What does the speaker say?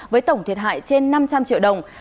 với tổng thiệt hại trên năm trăm linh triệu đồng